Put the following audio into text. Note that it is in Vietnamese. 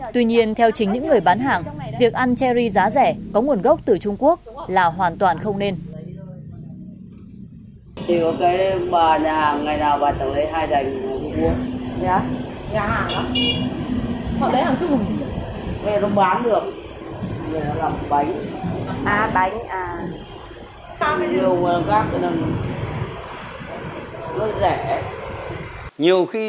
tuy nhiên theo chính những người bán hàng việc ăn cherry giá rẻ có nguồn gốc từ trung quốc là hoàn toàn không nên